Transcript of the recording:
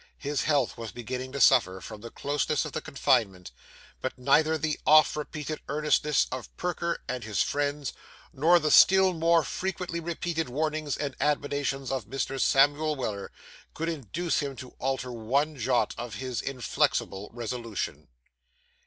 His health was beginning to suffer from the closeness of the confinement, but neither the often repeated entreaties of Perker and his friends, nor the still more frequently repeated warnings and admonitions of Mr. Samuel Weller, could induce him to alter one jot of his inflexible resolution.